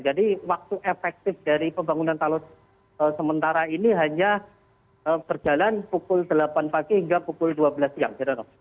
jadi waktu efektif dari pembangunan talus sementara ini hanya berjalan pukul delapan pagi hingga pukul dua belas siang